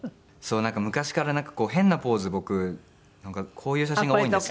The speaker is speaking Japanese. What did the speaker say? なんか昔から変なポーズ僕こういう写真が多いんですよ。